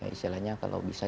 istilahnya kalau bisa